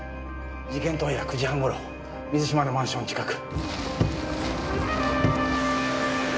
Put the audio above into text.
事件当夜９時半頃水嶋のマンション近く。